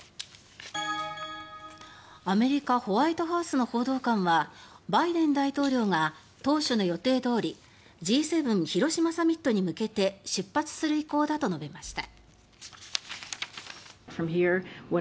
アメリカホワイトハウスの報道官はバイデン大統領が当初の予定どおりＧ７広島サミットに向けて出発する意向だと述べました。